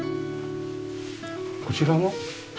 こちらは？